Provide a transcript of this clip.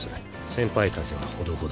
先輩風はほどほどに。